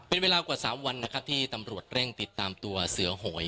เป็นเวลากว่า๓วันนะครับที่ตำรวจเร่งติดตามตัวเสือโหย